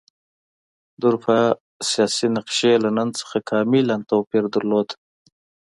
د اروپا سیاسي نقشې له نن سره کاملا توپیر درلود.